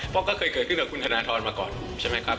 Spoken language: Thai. เพราะก็เคยเกิดขึ้นกับคุณธนทรมาก่อนใช่ไหมครับ